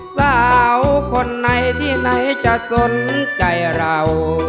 สาวคนไหนที่ไหนจะสนใจเรา